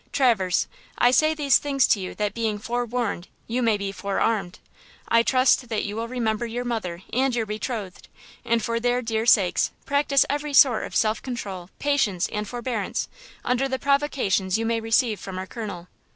Traverse, I say these things to you that being 'forewarned' you may be 'forearmed.' I trust that you will remember your mother and your betrothed, and for their dear sakes practise every sort of self control, patience and forebearance under the provocations you may receive from our colonel.